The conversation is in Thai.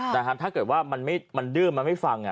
ถ้าเกิดว่ามันดื้อมันไม่ฟัง